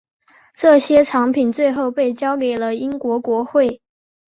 这些藏品最后被交给了英国国会。